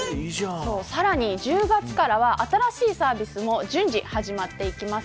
さらに１０月からは新しいサービスも順次始まっていきます。